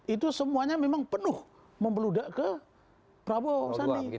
itu semuanya memang penuh membeludak ke prabowo sandi